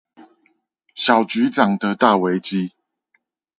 小局長的大危機